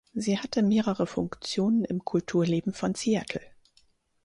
Sie hatte mehrere Funktionen im Kulturleben von Seattle.